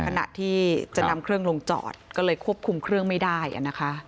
ขณะที่จะนำเครื่องลงจอดก็เลยควบคุมเครื่องไม่ได้นะคะ